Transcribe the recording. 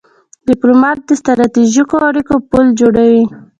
ډيپلومات د ستراتیژیکو اړیکو پل جوړوي.